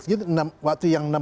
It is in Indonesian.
jadi waktu yang enam belas